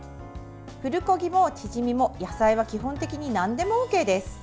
プルコギもチヂミも野菜は基本的になんでもＯＫです。